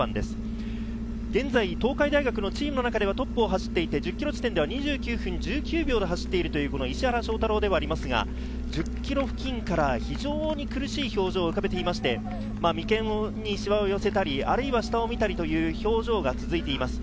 現在、東海大学のチームの中ではトップを走っていて、１０ｋｍ地点では２９分１９秒で走っている石原翔太郎ですが、１０ｋｍ付近から非常に苦しい表情を浮かべていまして、眉間にシワを寄せたり、下を見たりという表情が続いています。